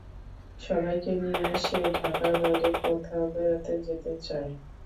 সবাইকে নিয়ে সে ঢাকার বাইরে কোথাও বেড়াতে যেতে চায়।